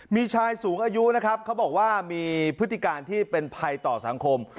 มีชายสูงอายุนะครับเขาบอกว่ามีพฤติการที่เป็นภัยต่อสังคม